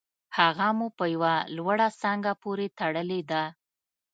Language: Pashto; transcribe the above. هغه مو په یوه لوړه څانګه پورې تړلې ده